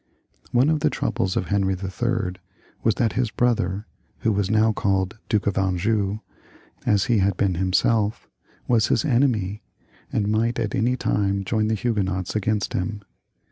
One of the troubles of Henry III. was that his brother, who was now called Duke of Anjou, as he had been him self, was his enemy, and might at any time join the Huguenots against him.